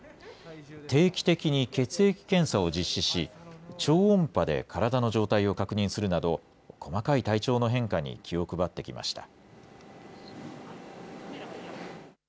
定期的に血液検査を実施し、超音波で体の状態を確認するなど、細かい体調の変化に気を配ってきました。